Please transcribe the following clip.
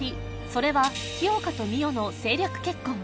それは清霞と美世の政略結婚